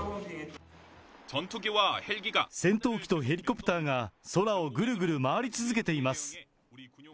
戦闘機とヘリコプターが空をぐるぐる回り続けています。